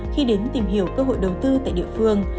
khi đến tìm hiểu cơ hội đầu tư tại địa phương